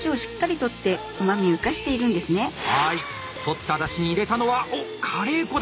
とっただしに入れたのはおっカレー粉だ！